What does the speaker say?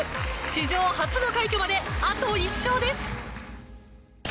史上初の快挙まであと１勝です。